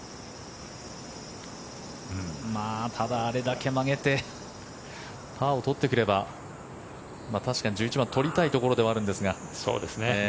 ただ、あれだけ曲げてパーを取ってくれば確かに１１番取りたいところではあるんですが。